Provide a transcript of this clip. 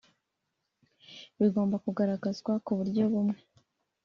bigomba kugaragazwa ku buryo bumwe